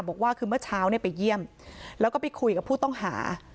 บอกว่าคือเมื่อเช้าเนี่ยไปเยี่ยมแล้วก็ไปคุยกับผู้ต้องหา